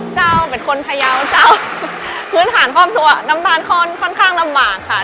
เจ้าเป็นคนพยาวเจ้าพื้นฐานพร้อมตัวน้ำตาลค่อนข้างลำบากค่ะ